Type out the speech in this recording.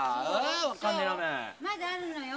まだあるのよ。